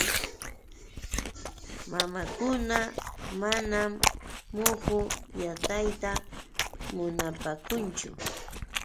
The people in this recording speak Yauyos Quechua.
Mamakuna manam muhu yatayta munaapaakuchun.